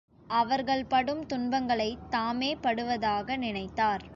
அவர்கள் படும் துன்பங்களைத் தாமே படுவதாக நினைத்தார்.